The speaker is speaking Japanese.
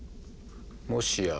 もしや。